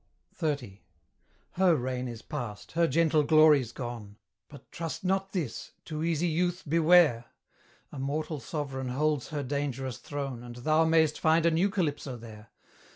XXX. Her reign is past, her gentle glories gone: But trust not this; too easy youth, beware! A mortal sovereign holds her dangerous throne, And thou mayst find a new Calypso there.